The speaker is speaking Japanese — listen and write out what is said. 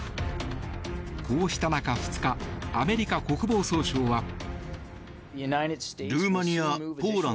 こうした中、２日アメリカ国防総省は。